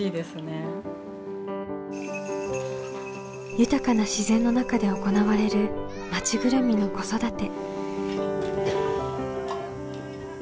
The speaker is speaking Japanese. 豊かな自然の中で行われる町ぐるみの子育て。